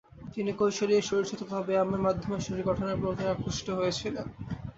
তিনি কৈশোরেই শরীরচর্চা তথা ব্যায়ামের মাধ্যমে শরীর গঠনের প্রতি আকৃষ্ট হয়েছিলেন।